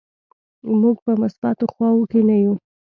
موږ په مثبتو خواو کې نه یو.